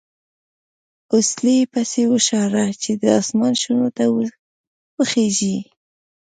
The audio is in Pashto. اوسیلی یې پسې وشاړه چې د اسمان شنو ته وخېژي.